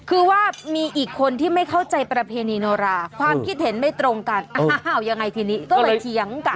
คือว่ามีอีกคนที่ไม่เข้าใจประเพณีโนราความคิดเห็นไม่ตรงกันอ้าวยังไงทีนี้ก็เลยเถียงกัน